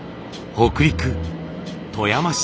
北陸富山市。